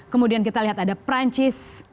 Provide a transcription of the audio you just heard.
kemudian kita lihat ada perancis